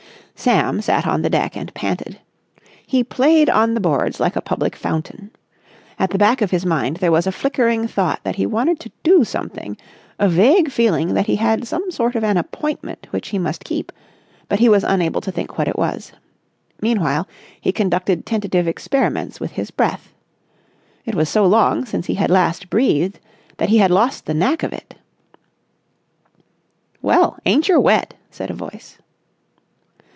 Sam sat on the deck and panted. He played on the boards like a public fountain. At the back of his mind there was a flickering thought that he wanted to do something, a vague feeling that he had some sort of an appointment which he must keep; but he was unable to think what it was. Meanwhile, he conducted tentative experiments with his breath. It was so long since he had last breathed that he had lost the knack of it. "Well, aincher wet?" said a voice.